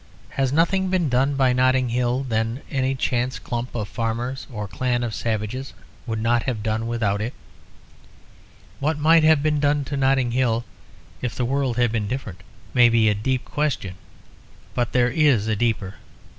Has nothing been done by Notting Hill than any chance clump of farmers or clan of savages would not have done without it? What might have been done to Notting Hill if the world had been different may be a deep question; but there is a deeper.